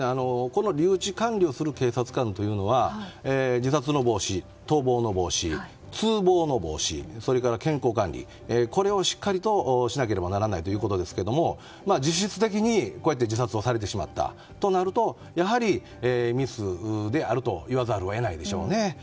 留置管理をする警察官というのは自殺の防止、逃亡の防止通謀の防止、それから健康管理これをしっかりとしなければならないということで実質的に自殺をされてしまったとなるとやはりミスであると言わざるを得ないでしょうね。